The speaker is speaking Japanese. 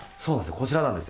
こちらです。